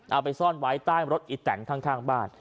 เอาไปซ่อนไว้ใต้รถอีแตนข้างบ้าน